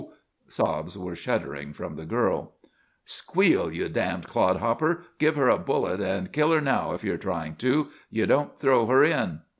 Sobs were shuddering from the girl. "Squeal! You damned clodhopper! Give her a bullet and kill her now if you are trying to! You don't throw her in!"